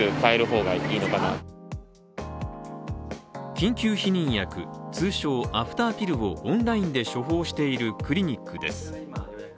緊急避妊薬、通称アフターピルをオンラインで処方しているクリニックです。